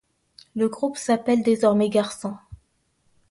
Le groupe s'appelle désormais Garçons.